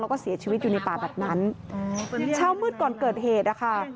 แล้วก็เสียชีวิตอยู่ในป่าแบบนั้นเช้ามืดก่อนเกิดเหตุนะคะ